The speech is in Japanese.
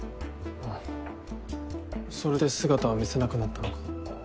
あそれで姿を見せなくなったのか。